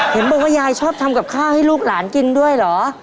เห็นบอกว่ายายชอบทำกับข้าวให้ลูกหลานกินด้วยเหรอ